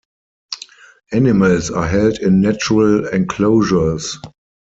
Animals are held in natural enclosures.